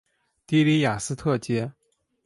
的里雅斯特街。